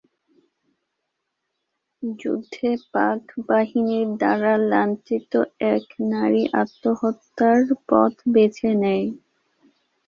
যুদ্ধে পাক বাহিনীর দ্বারা লাঞ্ছিত এক নারী আত্মহত্যার পথ বেছে নেয়।